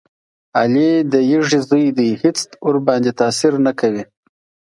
علي د یږې زوی دی هېڅ ورباندې تاثیر نه کوي.